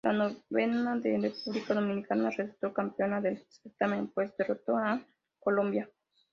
La novena de República Dominicana resultó campeona del certamen pues derrotó a Colombia.